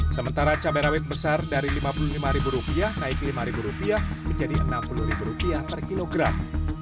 sementara cabai rawit besar dari rp lima puluh lima naik rp lima menjadi rp enam puluh per kilogram